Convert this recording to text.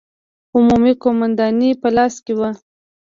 عمومي قومانداني په لاس کې وه.